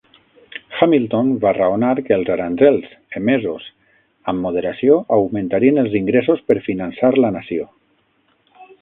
Hamilton va raonar que els aranzels emesos amb moderació augmentarien els ingressos per finançar la nació.